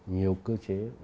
nhiều cơ chế